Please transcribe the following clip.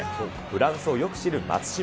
フランスをよく知る松島。